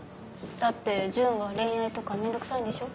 だって純は恋愛とかめんどくさいんでしょ？